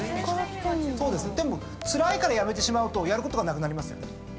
でもつらいからやめてしまうとやることがなくなりますよね。